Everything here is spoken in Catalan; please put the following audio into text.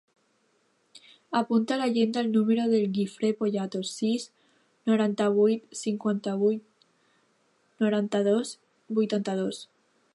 Apunta a l'agenda el número del Guifré Poyatos: sis, noranta-vuit, cinquanta-vuit, noranta-dos, vuitanta-dos.